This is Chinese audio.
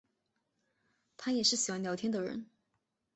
她也是喜欢聊天的人